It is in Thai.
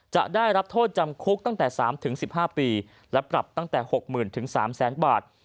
จะได้รับโทษจำคุกตั้งแต่๓๑๕ปีและปรับตั้งแต่๖๐๐๐๓๐๐บาท